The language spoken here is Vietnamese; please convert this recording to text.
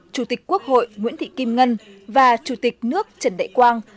chủ tịch quốc hội nguyễn thị kim ngân và chủ tịch nước trần đại quang